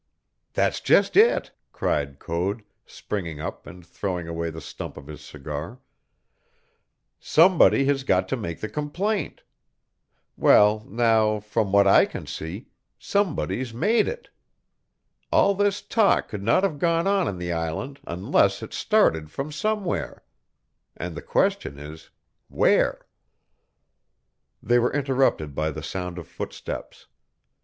"That's just it," cried Code, springing up and throwing away the stump of his cigar; "somebody has got to make the complaint! Well, now, from what I can see, somebody's made it. All this talk could not have gone on in the island unless it started from somewhere. And the question is, where?" They were interrupted by the sound of footsteps.